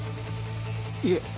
いえ。